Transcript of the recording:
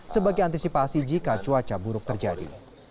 sebagai antisipasi jika cuaca buruk terjadi